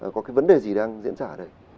có vấn đề gì đang diễn ra ở đây